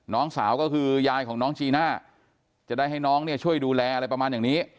น้องสาวก็คือยายของน้องจีน่าจะได้ให้น้องเนี่ยช่วยดูแลอะไรประมาณอย่างนี้